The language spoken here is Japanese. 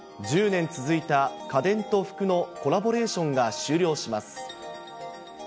１０年続いた家電と服のコラボレーションが終了します。